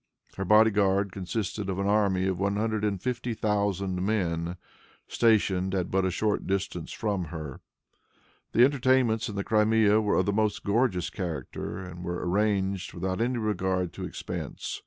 Her body guard consisted of an army of one hundred and fifty thousand men, stationed at but a short distance from her. The entertainments in the Crimea were of the most gorgeous character, and were arranged without any regard to expense.